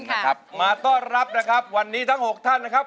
นะครับมาต้อนรับนะครับวันนี้ทั้ง๖ท่านนะครับ